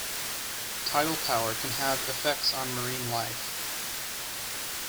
Tidal power can have effects on marine life.